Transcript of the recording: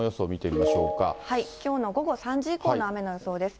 きょうの午後３時以降の雨の予想です。